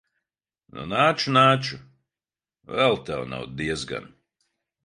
Nu, nāču, nāču. Vēl tev nav diezgan.